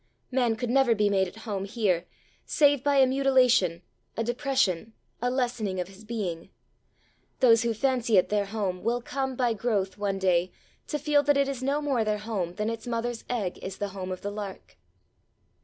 Man could never be made at home here, save by a mutilation, a depression, a lessening of his being; those who fancy it their home, will come, by growth, one day to feel that it is no more their home than its mother's egg is the home of the lark.